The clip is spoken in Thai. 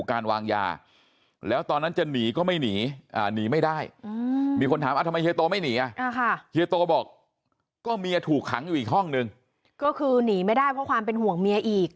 ขังอยู่อีกห้องหนึ่งก็คือนี่ไม่ได้เพราะความเป็นห่วงเมียอีก